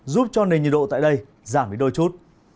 giúp cho nền nhiệt độ tại đây giảm đi đôi chút